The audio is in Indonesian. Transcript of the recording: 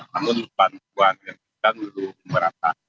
namun bantuan yang bukan perlu berapa